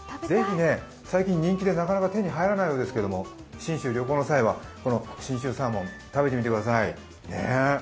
最近人気でなかなか手に入らないようですけれども、信州に旅行の際は信州サーモン、食べてみてください。